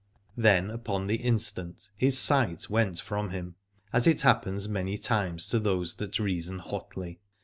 Then upon the instant his sight went from him, as it happens many times to those that reason hotly.